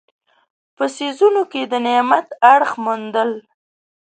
په څیزونو کې د نعمت اړخ موندل.